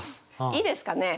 いいですかね？